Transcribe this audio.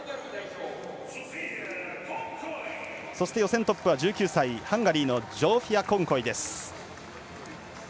予選トップは１９歳ハンガリーのジョーフィア・コンコイです。